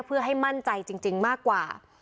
เพื่อให้มั่นใจจริงมากกว่า